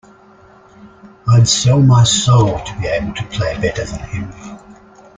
I’d sell my soul to be able to play better than him.